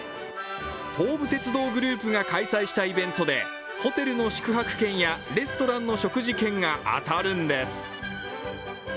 東武鉄道グループが開催したイベントでホテルの宿泊券やレストランの食事券が当たるんです。